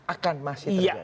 akan masih terjadi